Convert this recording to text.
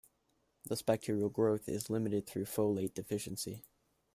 Thus, bacterial growth is limited through folate deficiency.